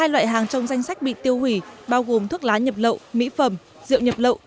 hai loại hàng trong danh sách bị tiêu hủy bao gồm thuốc lá nhập lậu mỹ phẩm rượu nhập lậu